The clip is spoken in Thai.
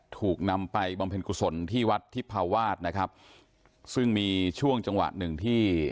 ถูกนำไปบำเพ็ญกุศลที่วัดทิพาวาสนะครับซึ่งมีช่วงจังหวะหนึ่งที่